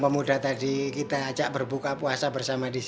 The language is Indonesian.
maraka dan nakjimas